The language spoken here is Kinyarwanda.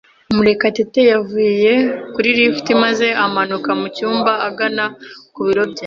Murekatete yavuye kuri lift maze amanuka mu cyumba agana ku biro bye.